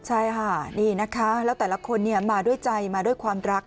ใช่ค่ะนี่นะคะแล้วแต่ละคนมาด้วยใจมาด้วยความรัก